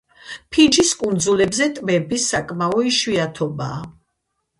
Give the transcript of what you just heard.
ფიჯის კუნძულებზე ტბები საკმაო იშვიათობაა.